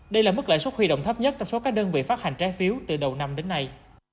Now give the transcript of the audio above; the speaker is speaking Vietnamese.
đây là mức lãi suất huy động thấp nhất trong số các đơn vị phát hành trái phiếu từ đầu năm đến nay